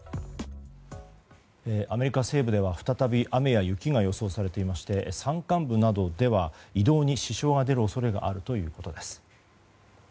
アメリカ西部では再び雨や雪が予想されていまして山間部などでは移動に支障が出る恐れがあるということです。